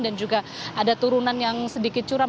dan juga ada turunan yang sedikit curam